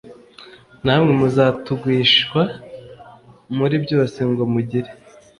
namwe muzatungishwa muri byose ngo mugire